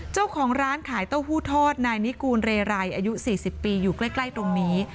เจ้าของร้านขายเต้าหู้ทอดนายนิกูลเรไรอายุ๔๐ปีอยู่ใกล้ตรงนี้